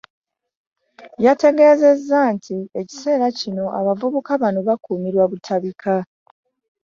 Yategezezza nti ekiseera kino abavubuka bano bakumirwa butabika .